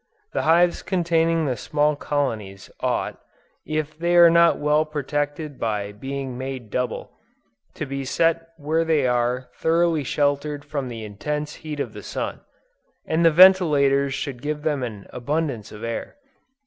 The hives containing the small colonies, ought, if they are not well protected by being made double, to be set where they are thoroughly sheltered from the intense heat of the sun; and the ventilators should give them an abundance of air.